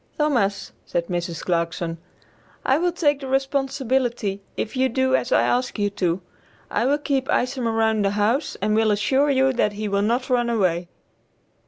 "Thomas," said Mrs. Clarkson, "I will take the responsibility if you do as I ask you to; I will keep Isom around the house and will assure you that he will not run away."